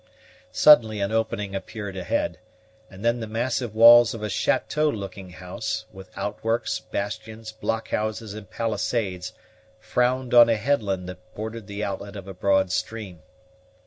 Suddenly an opening appeared ahead, and then the massive walls of a chateau looking house, with outworks, bastions, blockhouses, and palisadoes, frowned on a headland that bordered the outlet of a broad stream.